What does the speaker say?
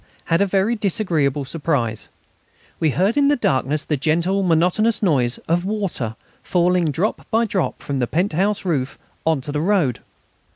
had a very disagreeable surprise: we heard in the darkness the gentle, monotonous noise of water falling drop by drop from the pent house roof on to the road.